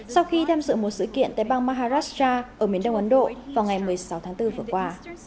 sau khi tham dự một sự kiện tại bang maharastra ở miền đông ấn độ vào ngày một mươi sáu tháng bốn vừa qua